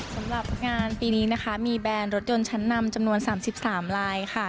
สำหรับงานปีนี้นะคะมีแบรนด์รถยนต์ชั้นนำจำนวน๓๓ลายค่ะ